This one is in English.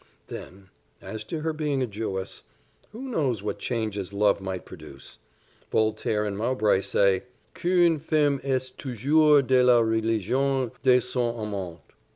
Then, as to her being a Jewess who knows what changes love might produce? Voltaire and Mowbray say, "qu'une femme est toujours de la religion de son amant."